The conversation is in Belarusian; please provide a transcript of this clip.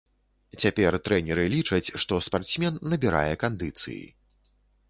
Цяпер трэнеры лічаць, што спартсмен набірае кандыцыі.